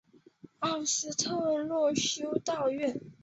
奥斯特洛修道院。